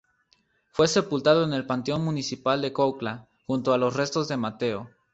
Fue sepultado en el Panteón municipal de Cuautla, junto a los restos de Mateo.